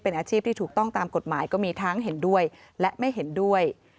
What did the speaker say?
เป็นอาชีพที่ถูกต้องตามกฎหมายก็มีทั้งเห็นด้วยและไม่เห็นด้วย